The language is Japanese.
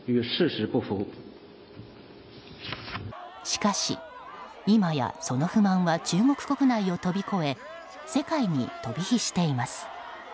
しかし、今やその不満は中国国内を飛び越え世界に飛び火しています。